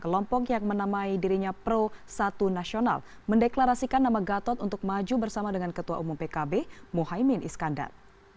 kelompok yang menamai dirinya pro satu nasional mendeklarasikan nama gatot untuk maju bersama dengan ketua umum pkb mohaimin iskandar